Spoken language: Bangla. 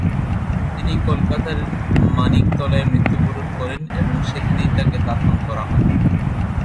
তিনি কলকাতার মানিকতলায় মৃত্যুবরণ করেন এবং সেখানেই তাকে দাফন করা হয়।